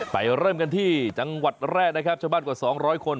เริ่มกันที่จังหวัดแรกนะครับชาวบ้านกว่า๒๐๐คน